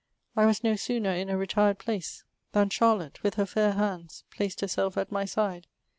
I was no soon^ in a retired place, than Chariotte^ with her fair hands, placed herself at my side.